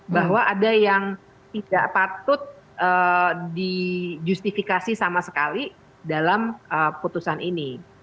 bahwa ada yang tidak patut di justifikasi sama sekali dalam putusan ini